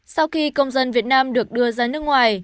sau khi công dân việt nam được đưa ra nước ngoài